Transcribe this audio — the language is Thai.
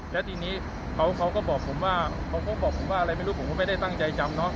แล้วทีนี้เขาก็บอกผมว่าอะไรไม่รู้ผมก็ไม่ได้ตั้งใจจำเนาะ